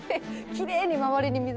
きれいに周りに水が。